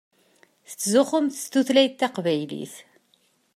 Tettzuxxumt s tutlayt taqbaylit.